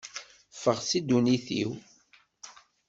Ffeɣ si ddunit-iw!